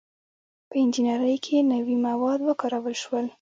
• په انجینرۍ کې نوي مواد وکارول شول.